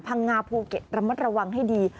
พังงาภูเก็ตระมัดระวังให้ดี